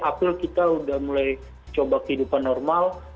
april kita sudah mulai coba kehidupan normal